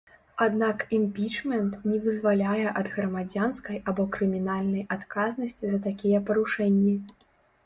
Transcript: Аднак імпічмент не вызваляе ад грамадзянскай або крымінальнай адказнасці за такія парушэнні.